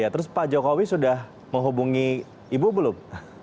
terus pak jokowi sudah menghubungi ibu belum